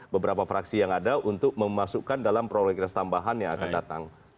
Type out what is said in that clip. beberapa fraksi yang ada untuk memasukkan dalam prolegnas tambahan yang akan datang